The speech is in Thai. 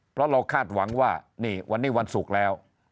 เพราะเราคาดหวังว่านี่วันนี้วันศุกร์แล้ว